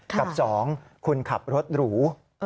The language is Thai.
กับ๒คุณขับรถหรู